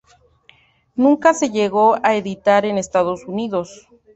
Nunca se llegó a editar en Estados Unidos.